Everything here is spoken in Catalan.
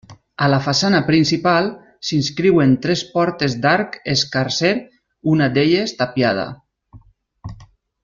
A la façana principal, s'inscriuen tres portes d'arc escarser, una d'elles tapiada.